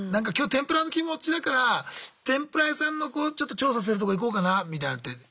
今日天ぷらの気持ちだから天ぷら屋さんのちょっと調査するとこ行こうかなみたいのって。